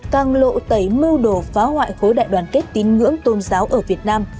càng lộ tẩy mưu đồ phá hoại khối đại đoàn kết tín ngưỡng tôn giáo ở việt nam